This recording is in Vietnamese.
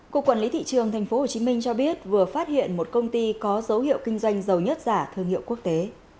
cục quản lý thị trường tp hcm cho biết vừa phát hiện một công ty có dấu hiệu kinh doanh dầu nhất giả thương hiệu quốc tế